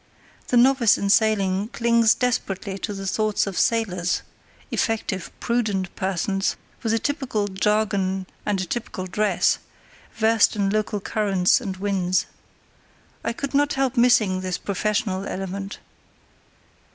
The novice in sailing clings desperately to the thoughts of sailors—effective, prudent persons, with a typical jargon and a typical dress, versed in local currents and winds. I could not help missing this professional element.